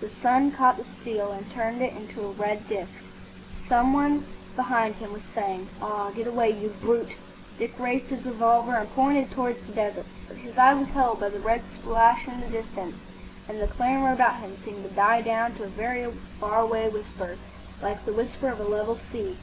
The sun caught the steel and turned it into a red disc. Some one behind him was saying, "Ah, get away, you brute!" Dick raised his revolver and pointed towards the desert. His eye was held by the red splash in the distance, and the clamour about him seemed to die down to a very far away whisper, like the whisper of a level sea.